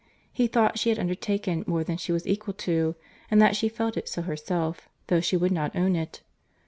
He thought she had undertaken more than she was equal to, and that she felt it so herself, though she would not own it.